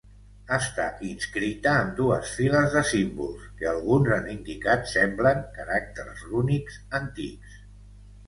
Està inscrita amb dues files de símbols, que alguns han indicat semblen caràcters rúnics antics.